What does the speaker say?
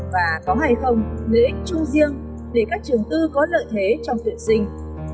và có hay không lợi ích chung riêng để các trường tư có lợi thế trong tuyển sinh